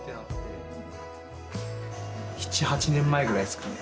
７８年前ぐらいですかね。